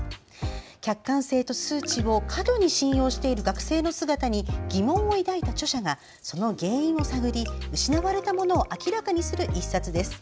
客観性と数値を過度に信用している学生の姿に疑問を抱いた著者がその原因を探り失われたものを明らかにする１冊です。